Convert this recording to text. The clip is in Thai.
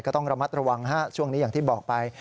ก็ต้องระมัดระวังฮะช่วงนี้อย่างที่บอกไป